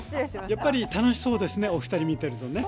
やっぱり楽しそうですねお二人見てるとね